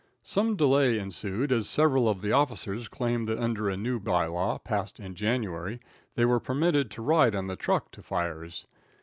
Some delay ensued, as several of the officers claimed that under a new bylaw passed in January they were permitted to ride on the truck to fires.